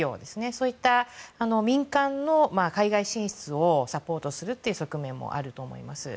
そういった民間の海外進出をサポートするという側面もあると思います。